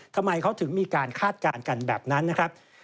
ทำไมเขาถึงมีการคาดการณ์กันแบบนั้นนะครับ